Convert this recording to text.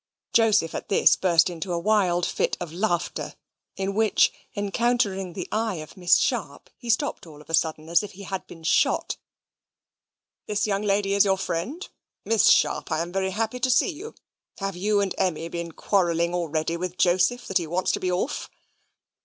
Joseph at this burst out into a wild fit of laughter; in which, encountering the eye of Miss Sharp, he stopped all of a sudden, as if he had been shot. "This young lady is your friend? Miss Sharp, I am very happy to see you. Have you and Emmy been quarrelling already with Joseph, that he wants to be off?"